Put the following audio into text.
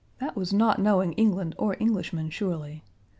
That was not knowing England or Englishmen, surely.